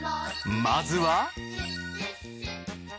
まずは。